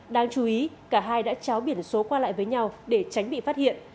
đáng chú ý cả hai đã cháo biển số qua lại với nhau để tránh bị phát hiện